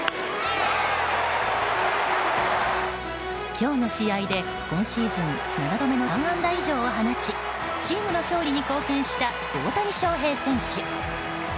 今日の試合で今シーズン７度目の３安打以上を放ちチームの勝利に貢献した大谷翔平選手。